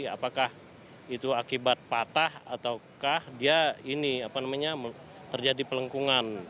apakah itu akibat patah ataukah dia ini apa namanya terjadi pelengkungan